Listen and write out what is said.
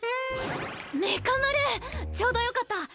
メカ丸ちょうどよかった。